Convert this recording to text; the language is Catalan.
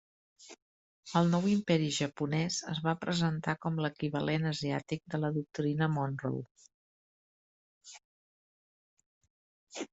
El nou imperi japonès es va presentar com l'equivalent asiàtic de la Doctrina Monroe.